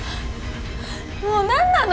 もう何なの？